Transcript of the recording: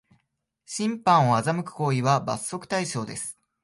審判を欺く行為は罰則対象です